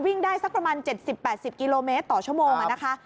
วิ่งได้สักประมาณ๗๐๘๐กิโลเมตรต่อชั่วโมงนะคะ